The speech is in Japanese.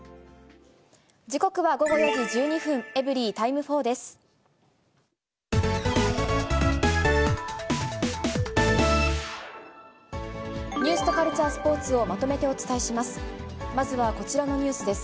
時刻は午後４時１２分、エブリィタイム４です。